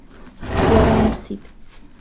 Уара умсит!